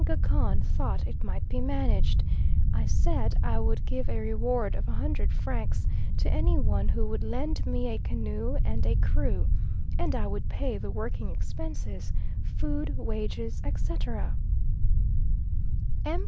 Gacon thought it might be managed; I said I would give a reward of 100 francs to any one who would lend me a canoe and a crew, and I would pay the working expenses, food, wages, etc. M.